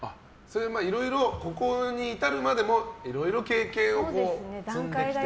いろいろ、ここに至るまでもいろいろ経験を積んできて？